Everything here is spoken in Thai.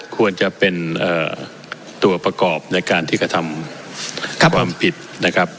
ควรจะเป็นตัวประกอบในการที่กระทำความผิดนะครับ